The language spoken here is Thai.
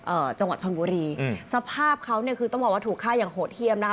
จังหวัดชนบุรีอืมสภาพเขาเนี่ยคือต้องบอกว่าถูกฆ่าอย่างโหดเยี่ยมนะคะ